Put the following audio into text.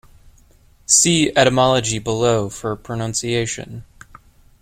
See Etymology below for pronunciation.